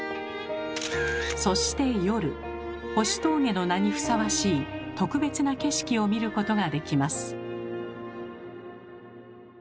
そして夜星峠の名にふさわしい特別な景色を見ることができます。